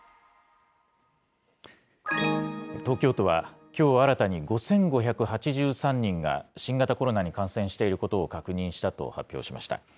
東京都は、きょう新たに５５８３人が新型コロナに感染していることを確認したと発表しました。